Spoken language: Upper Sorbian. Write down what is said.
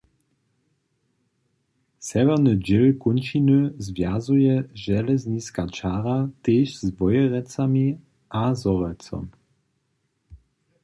Sewjerny dźěl kónčiny zwjazuje železniska čara tež z Wojerecami a Zhorjelcom.